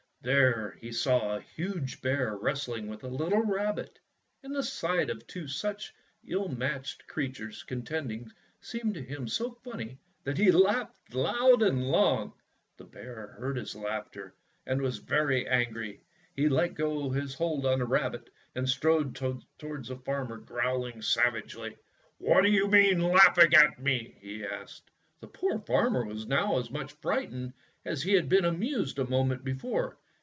There he saw a huge bear wrestling with a little rabbit, and the sight of two such ill matched creatures contending seemed to him so funny that he laughed loud and long. The bear heard his laughter and was very angry. He let go his hold on the rabbit and strode toward the farmer growling savagely. 190 Fairy Tale Foxes "What do you mean by laughing so at me? " he asked. The poor farmer was now as much fright ened as he had been amused a moment be fore.